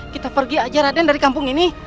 kita pergi aja raden dari kampung ini